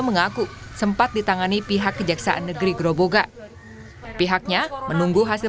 mengaku sempat ditangani pihak kejaksaan negeri groboga pihaknya menunggu hasil